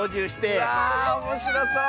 わあおもしろそう！